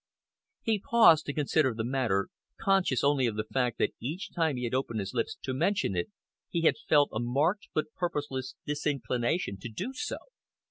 He paused to consider the matter, conscious only of the fact that each time he had opened his lips to mention it, he had felt a marked but purposeless disinclination to do so.